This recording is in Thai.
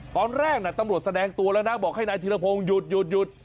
ตอนแรกตำรวจแสดงตัวแล้วนะบอกให้นายธิรพงศ์หยุด